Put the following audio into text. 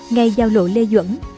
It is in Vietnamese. ngay giao lộ lê duẩn